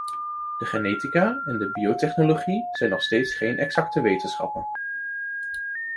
De genetica en de biotechnologie zijn nog steeds geen exacte wetenschappen.